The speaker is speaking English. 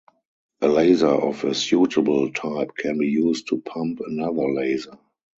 A laser of a suitable type can be used to pump another laser.